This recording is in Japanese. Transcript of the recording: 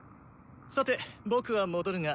さて僕は戻るが。